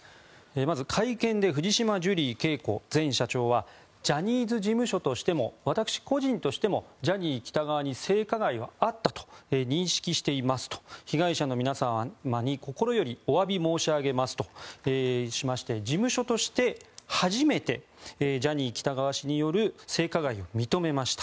まず会見で藤島ジュリー景子前社長はジャニーズ事務所としても私個人としてもジャニー喜多川に性加害はあったと認識していますと被害者の皆様に心よりおわび申し上げますとしまして事務所として初めてジャニー喜多川氏による性加害を認めました。